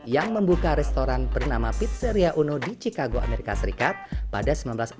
yang membuka restoran bernama pizeria uno di chicago amerika serikat pada seribu sembilan ratus empat puluh